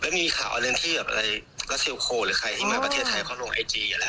ไม่มีค่ะเอาเรียนที่แบบอะไรรัสเซียลโคหร์หรือใครที่มาประเทศไทยเขาลงไอจีอยู่แล้ว